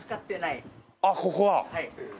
あっここは。